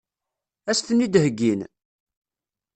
Ad as-ten-id-heggin?